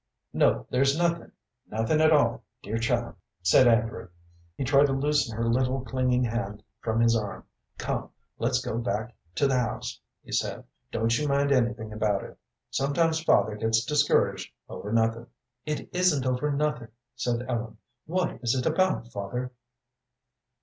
"No, there's nothin', nothin' at all, dear child," said Andrew. He tried to loosen her little, clinging hand from his arm. "Come, let's go back to the house," he said. "Don't you mind anything about it. Sometimes father gets discouraged over nothin'." "It isn't over nothing," said Ellen. "What is it about, father?"